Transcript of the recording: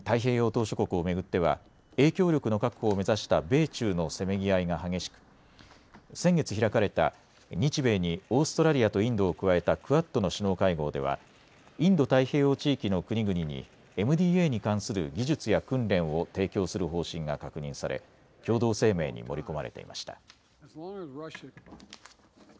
島しょ国を巡っては影響力の確保を目指した米中のせめぎ合いが激しく先月開かれた日米にオーストラリアとインドを加えたクアッドの首脳会合ではインド太平洋地域の国々にＭＤＡに関する技術や訓練を提供する方針が確認され共同声明に盛り込まれていました。